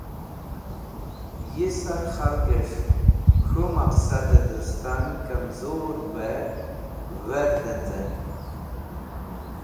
Yisar khalges̃h k̃hũ maqadẽ dẽstan kamzurvẽ verdẽnz̃ẽn.